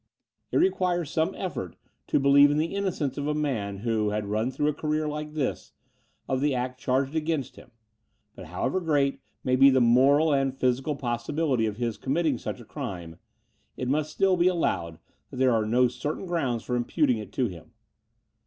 It requires some effort to believe in the innocence of a man, who had run through a career like this, of the act charged against him; but, however great may be the moral and physical possibility of his committing such a crime, it must still be allowed that there are no certain grounds for imputing it to him.